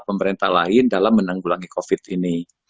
pemerintah lain dalam menanggulangi covid sembilan belas ini